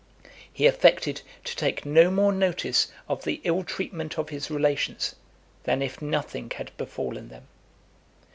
He affected to take no more notice of the ill treatment of his relations, than if nothing had befallen them.